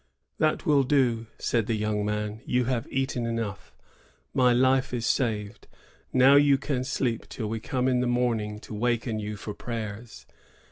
"That will do,'* said the young man; you have eaten enough : my life is saved. Now you can sleep till we come in the morning to waken you for prayers."